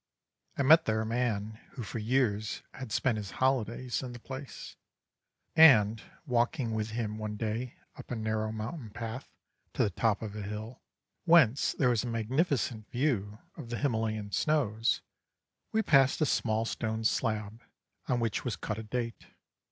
I met there a man who for years had spent his holidays in the place, and, walking with him one day up a narrow mountain path to the top of a hill, whence there was a magnificent view of the Himalayan snows, we passed a small stone slab on which was cut a date.